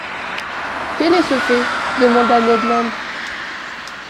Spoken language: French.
—Quel est ce fait ? demanda Ned Land.